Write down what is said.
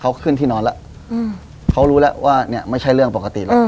เขาขึ้นที่นอนแล้วเขารู้แล้วว่าเนี่ยไม่ใช่เรื่องปกติแล้ว